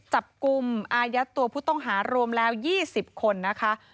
จับกลุ่มอายัดตัวผู้ต้องหารวมแล้ว๒๐คนนะคะ